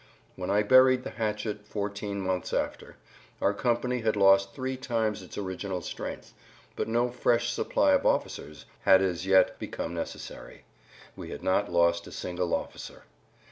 When I buried the hatchet, fourteen months after, our company had lost three times its original strength, but no fresh supply of officers had as yet become necessary; we had not lost a single officer.